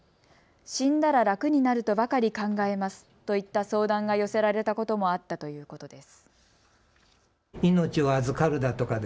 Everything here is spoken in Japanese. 死んだら楽になるとばかり考えますといった相談が寄せられたこともあったということです。